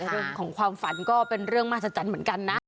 เรื่องของความฝันก็เป็นเรื่องมหัศจรรย์เหมือนกันนะ